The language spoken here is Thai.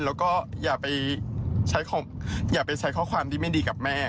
แล้วก็อย่าไปอย่าไปใช้ข้อความที่ไม่ดีกับแม่